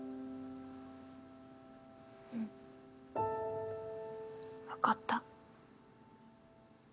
うん分かった。